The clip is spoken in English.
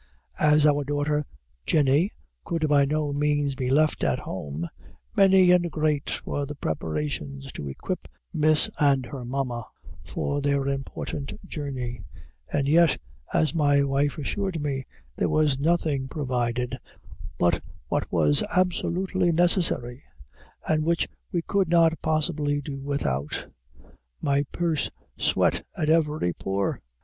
As our daughter Jenny could by no means be left at home, many and great were the preparations to equip Miss and her Mamma for this important journey; and yet, as my wife assured me, there was nothing provided but what was absolutely necessary, and which we could not possibly do without. My purse sweat at every pore.